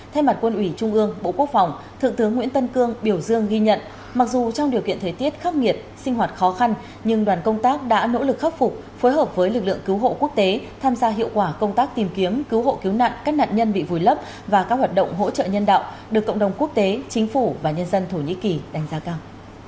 thay mặt quân ủy trung ương bộ quốc phòng thượng tướng nguyễn tân cương biểu dương ghi nhận mặc dù trong điều kiện thời tiết khắc nghiệt sinh hoạt khó khăn nhưng đoàn công tác đã nỗ lực khắc phục phối hợp với lực lượng cứu hộ quốc tế tham gia hiệu quả công tác tìm kiếm cứu hộ cứu nạn các nạn nhân bị vùi lấp và các hoạt động hỗ trợ nhân đạo được cộng đồng quốc tế chính phủ và nhân dân thổ nhĩ kỳ đánh giá cao